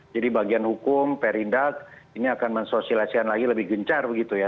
jadi bagian hukum perindak ini akan mensosialisasi lagi lebih gencar begitu ya